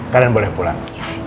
kalian boleh pulang